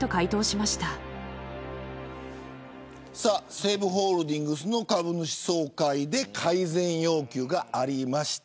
西武ホールディングスの株主総会で改善要求がありました。